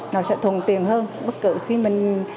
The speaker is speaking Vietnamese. nó sẽ thùng tiền hơn bất cứ khi mình